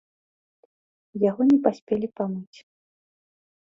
Яго не паспелі памыць.